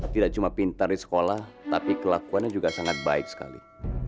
tidak cuma pintar di sekolah tapi kelakuannya juga sangat baik sekali